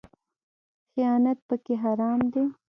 خیانت پکې حرام دی